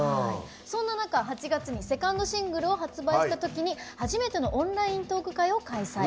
そんな中８月にセカンドシングルを発売したときに初めてのオンライントーク会を開催。